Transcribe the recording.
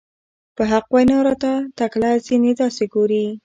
په حق وېنا راته تکله ځينې داسې ګوري